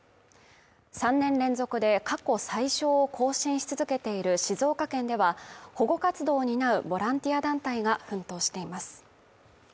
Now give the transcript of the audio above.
３年連続で過去最少を更新し続けている静岡県では保護活動を担うボランティア団体が奮闘しています